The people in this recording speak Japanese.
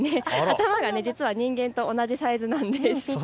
頭が実は人間と同じサイズなんです。